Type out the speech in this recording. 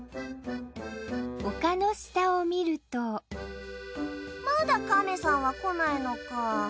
丘の下を見るとまだかめさんは来ないのかぁ。